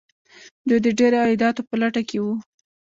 دوی د ډیرو عایداتو په لټه کې وو.